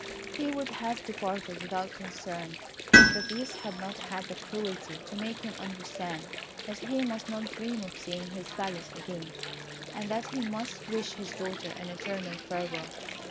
He would have departed without concern if the Beast had not had the cruelty to make him understand that he must not dream of seeing his palace again, and that he must wish his daughter an eternal farewell.